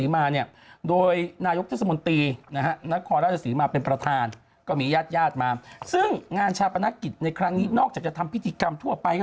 ๕มิติเป็นอย่างไรจ้าปกติ